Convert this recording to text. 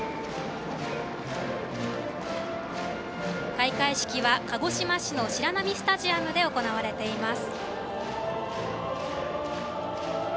開会式は鹿児島市の白波スタジアムで行われています。